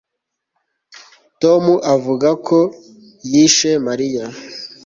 Tom avuga ko yishe Mariya